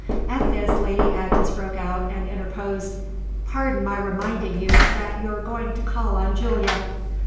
At this Lady Agnes broke out and interposed. "Pardon my reminding you that you're going to call on Julia."